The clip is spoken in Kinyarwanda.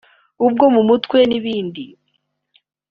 ubwo mu mutwe n’ibindi